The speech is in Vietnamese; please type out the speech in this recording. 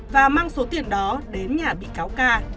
và mang số tiền đó đến nhà bị cáo ca